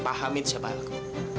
pak hamid siapa aku